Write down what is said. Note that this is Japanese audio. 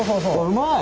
うまい！